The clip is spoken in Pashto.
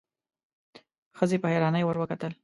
ښځې په حيرانۍ ورته کتل: